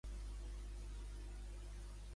Què no serà útil si el govern d'Espanya no varia?